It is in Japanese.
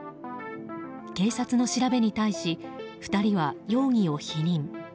警察の調べに対し２人は容疑を否認。